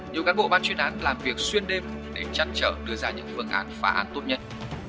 nhiều cán bộ ban chuyên án làm việc xuyên đêm để chăn trở đưa ra những phương án phá án tốt nhất